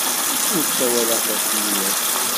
Ur ssawaleɣ tacinwat.